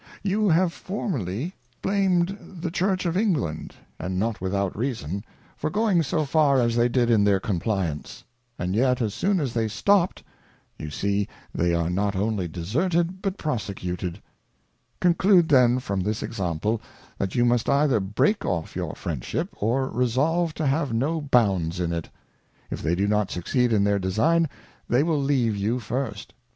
You have formerly blamed the Church'of England, and not without reason, for going so far as they did in their Compliance ; and yet as soon as they stopped, you see they are not only deserted, but prosecuted: Conclude then from this Exaniple, that you nmst_ either break off''your Friendship, or resolve to _ have no BoundsJn.it. If th^y dn nnf. siipcegd in their Design. they_will leave ymi .firs.t.